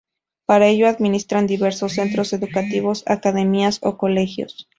Para ello administran diversos centros educativos, academias o colegios.